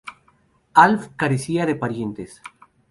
Alf carecía de parientes.